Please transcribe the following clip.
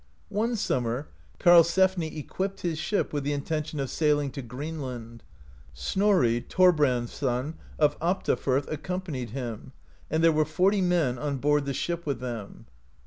One sum mer Karlsefni equipped his ship, with the intention of sailing to Greenland. Snorri, Thorbrand's son, of Alpta firth (41) accompanied him, and there were forty men on board the ship with them.